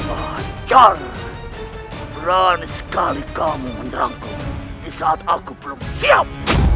pak hajar berani sekali kamu menerangku di saat aku belum siap